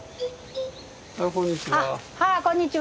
あっこんにちは。